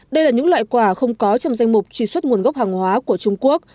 đây là những loại quả không có trong danh mục truy xuất nguồn gốc hàng hóa của trung quốc